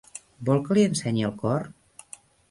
Vol que li ensenyi el cor?